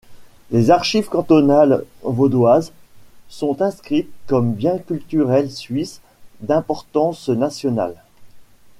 Les Archives cantonales vaudoises sont inscrites comme bien culturel suisse d'importance nationale.